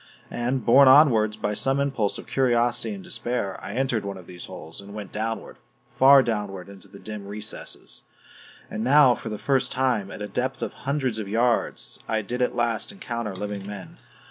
And, borne onward by some impulse of curiosity and despair, I entered one of these holes, and went downward, far downward into the dim recesses. And now for the first time, at a depth of hundreds of yards, I did at last encounter living men.